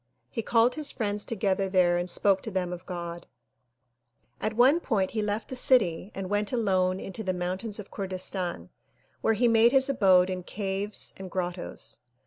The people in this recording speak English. He called his friends together there and spoke to them of God. Afterward he left the city and went alone into the mountains of Kurdistan where he made his abode in caves and grottoes.